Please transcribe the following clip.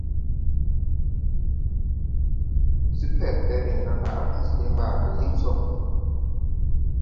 Supɛrfɛ riŋ ra ga a mo see ɓaara liŋ sɔ.